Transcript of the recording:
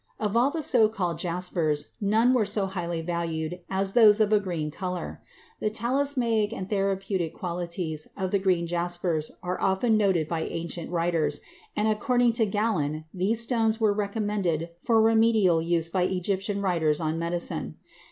Of all the so called jaspers none were so highly valued as those of a green color. The talismanic and therapeutic qualities of the "green jaspers" are often noted by ancient writers, and, according to Galen, these stones were recommended for remedial use by Egyptian writers on medicine.